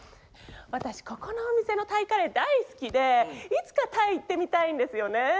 私ここのお店のタイカレー大好きでいつかタイ行ってみたいんですよね。